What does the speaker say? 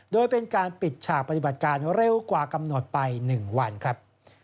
โดยเป็นการปิดฉากปฏิบัติการเร็วกว่ากำหนดไป๑วันครับ